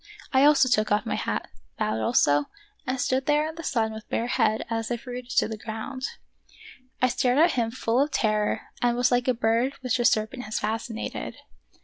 I also took off my hat, bowed also, and stood there in the sun with bare head as if rooted to the ground. I stared at him full of terror and was like a bird which a serpent has fascinated.